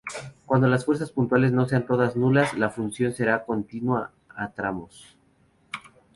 Cuando las fuerzas puntuales no sean todas nulas la función será continua a tramos.